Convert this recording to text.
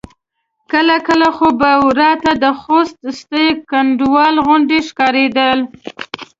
کله کله خو به راته د خوست سټې کنډاو غوندې ښکارېدل.